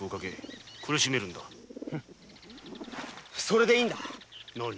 それでいいんだ！